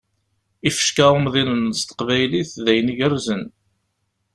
Ifecka umḍinen s teqbaylit, d ayen igerrzen!